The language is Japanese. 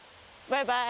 バイバイ。